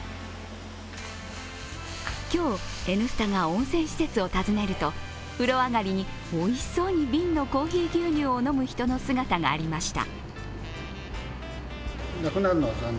今日、「Ｎスタ」が温泉施設を訪ねると風呂上がりにおいしそうに瓶のコーヒー牛乳を飲む人の姿がありました。